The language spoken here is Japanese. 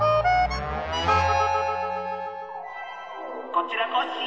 こちらコッシー！